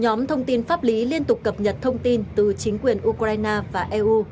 nhóm thông tin pháp lý liên tục cập nhật thông tin từ chính quyền ukraine và eu